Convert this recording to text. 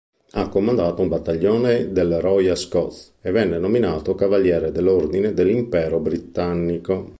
Ha comandato un battaglione del Royal Scots e venne nominato cavaliere dell'Ordine dell'Impero Britannico.